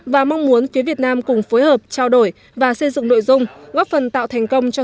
và mong muốn phía việt nam cùng phối hợp trao đổi và xây dựng nội dung góp phần tạo thành công cho